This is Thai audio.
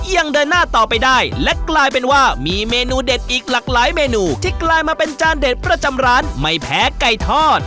ยังเดินหน้าต่อไปได้และกลายเป็นว่ามีเมนูเด็ดอีกหลากหลายเมนูที่กลายมาเป็นจานเด็ดประจำร้านไม่แพ้ไก่ทอด